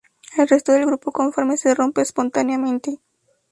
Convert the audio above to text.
El resto del grupo conforme se rompe espontáneamente.